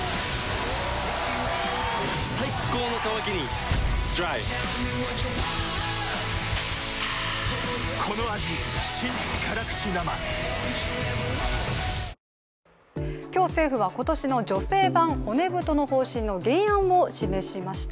最高の渇きにＤＲＹ今日政府は今年の女性版骨太の方針の原案を示しました。